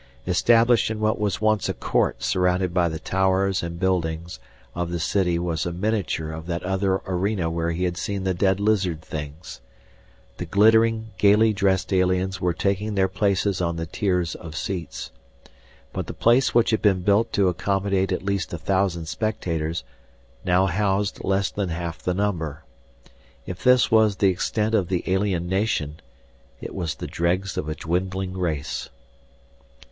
Established in what was once a court surrounded by the towers and buildings of the city was a miniature of that other arena where he had seen the dead lizard things. The glittering, gayly dressed aliens were taking their places on the tiers of seats. But the place which had been built to accommodate at least a thousand spectators now housed less than half the number. If this was the extent of the alien nation, it was the dregs of a dwindling race.